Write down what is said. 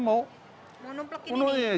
mau numpluk ini nih